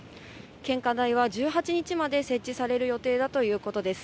献花台は１８日まで設置される予定だということです。